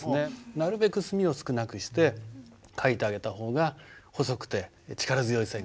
なるべく墨を少なくして書いてあげた方が細くて力強い線が引けると思います。